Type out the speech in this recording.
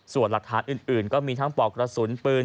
ส่วนหลักฐานอื่นก็มีทั้งปอกกระสุนปืน